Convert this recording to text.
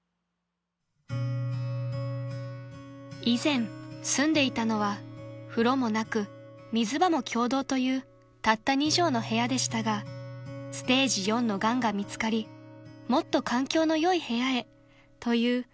［以前住んでいたのは風呂もなく水場も共同というたった２畳の部屋でしたがステージ４のがんが見つかりもっと環境のよい部屋へという